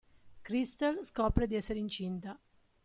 Krystle scopre di essere incinta.